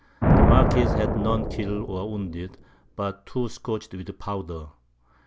The Marquiss had none kill'd or wounded, but 2 scorch'd with Powder.